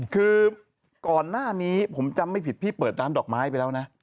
คือก่อนหน้านี้ผมจำไม่ผิดพี่เปิดร้านดอกไม้ไปแล้วนะ